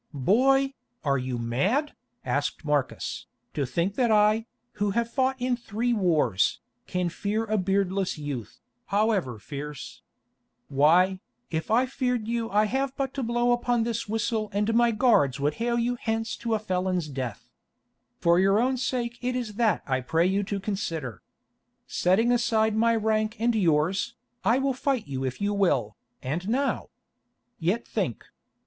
"Boy, are you mad," asked Marcus, "to think that I, who have fought in three wars, can fear a beardless youth, however fierce? Why, if I feared you I have but to blow upon this whistle and my guards would hale you hence to a felon's death. For your own sake it is that I pray you to consider. Setting aside my rank and yours, I will fight you if you will, and now. Yet think.